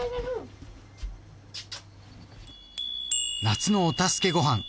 「夏のお助けごはん」